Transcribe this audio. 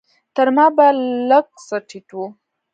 تر ما به لږ څه ټيټ و.